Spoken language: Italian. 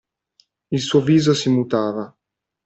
Il suo viso si mutava.